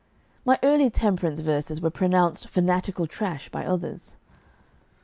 My early temperance verses were pronounced "fanatical trash" by others.